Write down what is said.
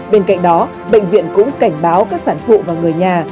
bên cạnh đó bệnh viện cũng cảnh báo các sản phụ và người nhà